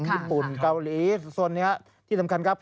ญี่ปุ่นเกาหลีโซนนี้ที่สำคัญครับ